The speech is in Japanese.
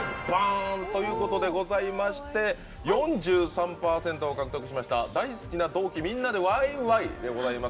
ということで４３％を獲得しました「大好きな同期みんなでワイワイ」でございます。